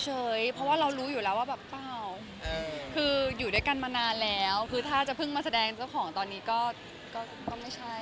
เพราะว่าเรารู้อยู่แล้วว่าแบบเปล่าคืออยู่ด้วยกันมานานแล้วคือถ้าจะเพิ่งมาแสดงเจ้าของตอนนี้ก็ไม่ใช่